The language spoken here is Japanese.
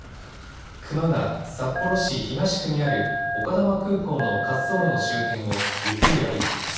クマが札幌市東区にある丘珠空港の滑走路の周辺をゆっくり歩いています。